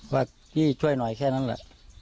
ว่าพี่ช่วยหน่อยแค่นั้นแหละ